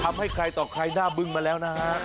ทำให้ใครต่อใครหน้าบึ้งมาแล้วนะฮะ